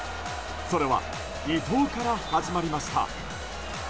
それは伊東から始まりました。